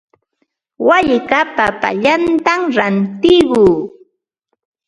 Walka papallatam rantirquu.